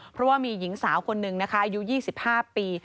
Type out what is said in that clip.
เพราะว่ามีหญิงสาวคนหนึ่งนะคะอายุ๒๕ปี